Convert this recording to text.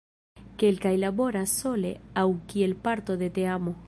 Kelkaj laboras sole aŭ kiel parto de teamo.